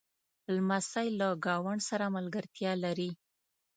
لمسی له ګاونډ سره ملګرتیا لري.